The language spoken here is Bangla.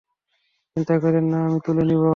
চিন্তা কইরেন না, আমি তুলে নিব।